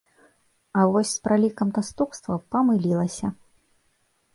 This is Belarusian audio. А вось з пралікам наступстваў памылілася.